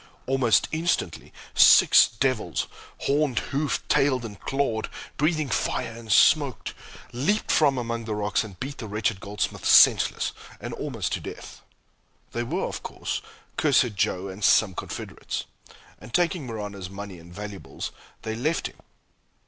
Almost instantly, six devils, horned, hoofed, tailed, and clawed, breathing fire and smoke, leaped from among the rocks and beat the wretched goldsmith senseless, and almost to death. They were of course Cursed Joe and some confederates; and taking Marano's money and valuables, they left him.